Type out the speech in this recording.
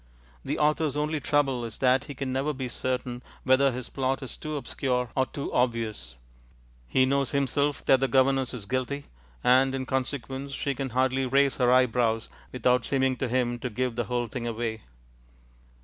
The author's only trouble is that he can never be certain whether his plot is too obscure or too obvious. He knows himself that the governess is guilty, and, in consequence, she can hardly raise her eyebrows without seeming to him to give the whole thing away.